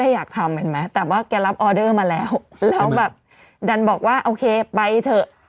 อยากทำเห็นไหมแต่ว่าแกรับออเดอร์มาแล้วแล้วแบบดันบอกว่าโอเคไปเถอะ